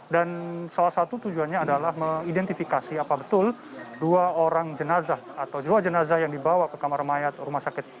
dan salah satu tujuannya adalah mengidentifikasi apa betul dua orang jenazah atau dua jenazah yang dibawa ke kamar mayat rumah sakit